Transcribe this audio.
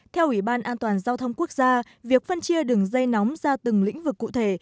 theo ủy ban an toàn giao thông quốc gia việc phân chia đường dây nóng ra từng lĩnh vực cụ thể